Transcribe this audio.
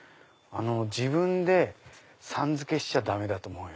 自分でさん付けしちゃダメだと思うよ。